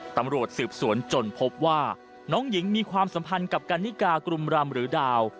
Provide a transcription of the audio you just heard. ตำรวจสืบสวนจนพบว่าน้องหญิงมีความสัมพันธ์กับกันนิกากลุ่มรำหรือดาว